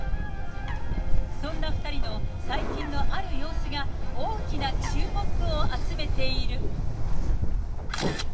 そんな２人の最近のある様子が大きな注目を集めている。